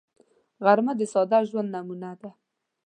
غرمه د ساده ژوند نمونه ده